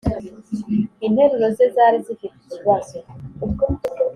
Interuro ze zari zifite ikibazo